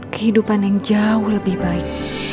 kehidupan yang jauh lebih baik